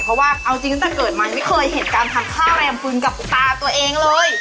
เพราะว่าเอาจริงตั้งแต่เกิดมายังไม่เคยเห็นการทำข้าวแรมฟืนกับตาตัวเองเลย